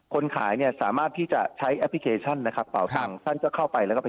คนขายเนี่ยสามารถที่จะใช้แอปพลิเคชันนะครับ